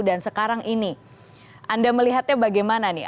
dan sekarang ini anda melihatnya bagaimana nih